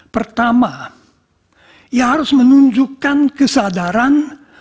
pertama ya harus menunjukkan kesadaran